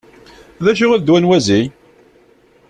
D acu i d ddwa n wazi?